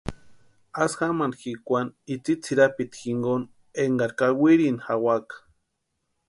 Asï jamani jikwani itsï tsʼïrapiti jinkoni enkari kawirini jawaka.